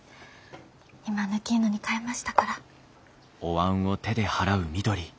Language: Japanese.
今ぬきいのに替えましたから。